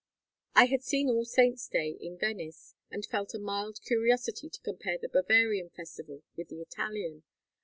I had seen All Saints' Day in Venice and felt a mild curiosity to compare the Bavarian festival with the Italian.